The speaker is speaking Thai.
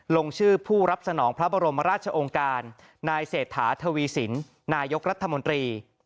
ลงชื่อผู้รับสนองพระบรมราชองค์การนายเศรษฐาทวีสินนายกรัฐมนตรี